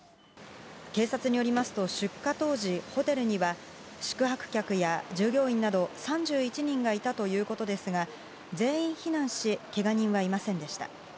警察によりますと出火当時、ホテルには宿泊客や従業員など３１人がいたということですが全員避難しけが人はいませんでした。